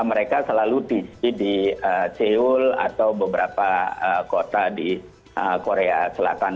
mereka selalu tc di seoul atau beberapa kota di korea selatan